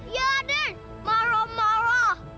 iya raden marah marah